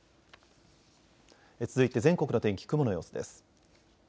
続いて全国の天気、雲の様子です。